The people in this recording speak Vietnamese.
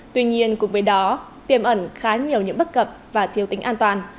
tuy nhiên cùng với đó tiềm ẩn khá nhiều những bất cập và thiếu tính an toàn